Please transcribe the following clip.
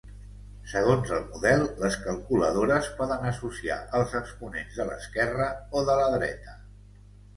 Segons el model, les calculadores poden associar els exponents de l'esquerra o de la dreta.